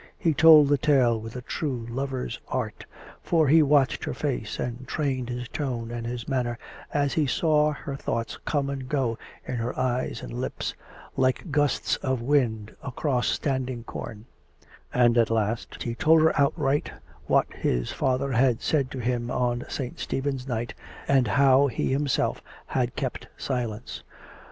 He told the tale with a true lover's art, for he watched her face and trained his tone and his manner as he saw her thoughts come and go in her eyes and lips, like gusts of wind across standing corn; and at last he told her outright what his father had said to him on St. Stephen's night, and how he himself had kept silence.